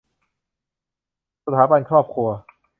สถาบันครอบครัว